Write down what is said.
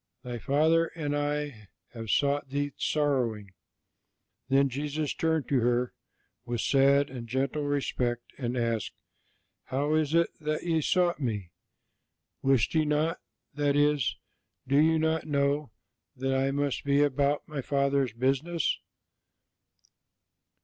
Thy father and I have sought Thee sorrowing." Then Jesus turned to her with sad and gentle respect, and asked, "How is it that ye sought Me? Wist ye not" that is, "Do you not know" "that I must be about My Father's business?"